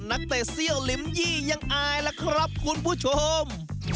นักเตะเสี้ยวลิมยี่ยังอายล่ะครับคุณผู้ชม